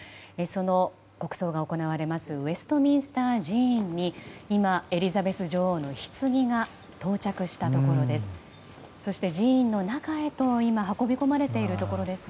その国葬が行われますウェストミンスター寺院に今、エリザベス女王のひつぎが到着したところです。